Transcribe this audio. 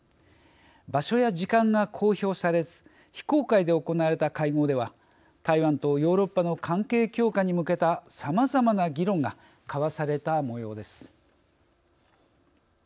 場所や時間が公表されず非公開で行われた会合では台湾とヨーロッパの関係強化に向けたさまざまな議論が交わされたもようです。